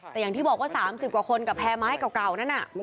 แต่อย่างที่บอกว่า๓๐กว่าคนกับแพร่ไม้เก่านั้นน่ะ